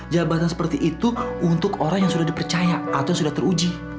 jabatan seperti itu untuk orang yang sudah dipercaya atau sudah teruji